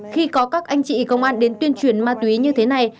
khi có các anh chị công an đến tuyên truyền ma túy như thế này